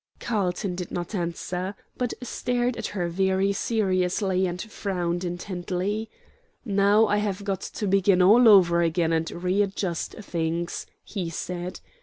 Carlton did not answer, but stared at her very seriously and frowned intently. "Now I have got to begin all over again and readjust things," he said.